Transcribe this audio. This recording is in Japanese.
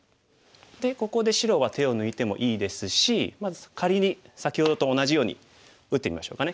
ここで白は手を抜いてもいいですし仮に先ほどと同じように打ってみましょうかね。